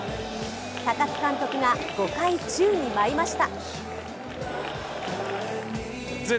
高津監督が５回宙に舞いました。